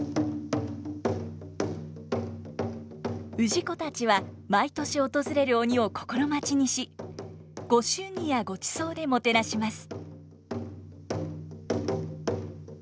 氏子たちは毎年訪れる鬼を心待ちにし御祝儀やごちそうでもてなします。